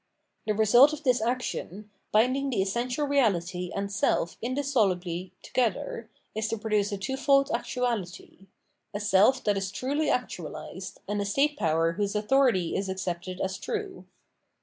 The result of this action, binding the essential reality and self indissolubly together, is to produce a twofold actuality, — a self that is truly actuahsed, and a state power whose authority is accepted as true.